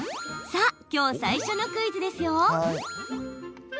さあ、きょう最初のクイズです。